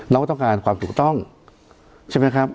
เราต้องการความถูกต้องใช่ไหมครับ